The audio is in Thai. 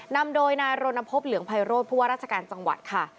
นำโดยนายรณพบเหลืองไพโรธผู้ว่าราชการจังหวัดค่ะ